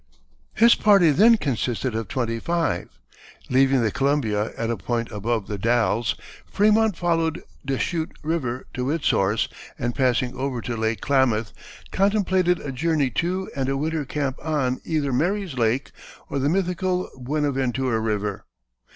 His party then consisted of twenty five. Leaving the Columbia at a point above The Dalles, Frémont followed Des Chutes River to its source, and passing over to Lake Klamath, contemplated a journey to and a winter camp on either Mary's Lake or the mythical Buenaventura River.